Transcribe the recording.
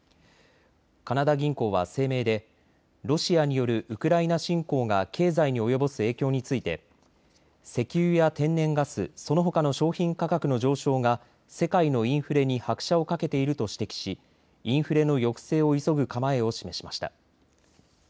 カナダ銀行は声明でロシアによるウクライナ侵攻が経済に及ぼす影響について石油や天然ガス、そのほかの商品価格の上昇が世界のインフレに拍車をかけていると指摘しインフレの抑制を急ぐ構えを示しました。